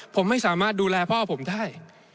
ผมไม่สามารถดูแลพ่อผมได้